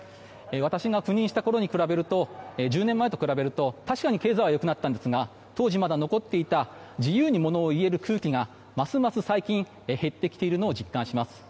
私が赴任した１０年前と比べると確かに経済は良くなったんですが当時まだ残っていた自由に物を言える空気が最近、ますます減ってきているのを実感します。